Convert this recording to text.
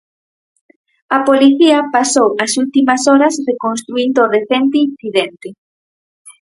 A Policía pasou as últimas horas reconstruíndo o recente incidente.